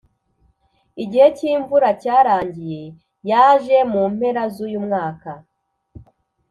igihe cyimvura cyarangiye cyaje mu mpera zuyu mwaka.